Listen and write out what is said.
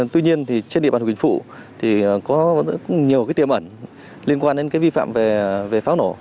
tuy nhiên trên địa bàn quỳnh phụ có nhiều tiềm ẩn liên quan đến vi phạm về pháo nổ